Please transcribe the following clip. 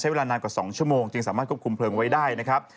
เวลานานกว่า๒ชั่วโมงจึงสามารถควบคุมเพลิงไว้ได้นะครับ